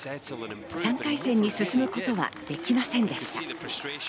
３回戦に進むことはできませんでした。